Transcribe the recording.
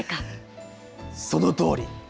そのとおり。